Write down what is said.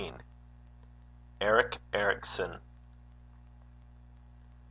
ERIC ERICSON.